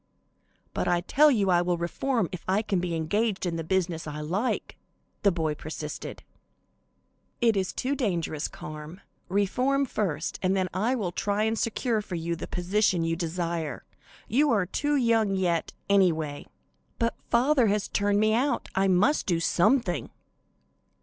"But I tell you I will reform if I can be engaged in the business I like," the boy persisted. "It is too dangerous, Carm. Reform first, and then I will try and secure for you the position you desire. You are too young yet, anyway." "But father has turned me out, I must do something."